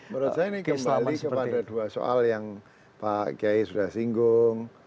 menurut saya ini kembali kepada dua soal yang pak kiai sudah singgung